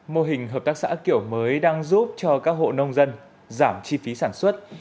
mô hình hợp tác xã kiểu mới đang giúp cho các hộ nông dân giảm chi phí sản xuất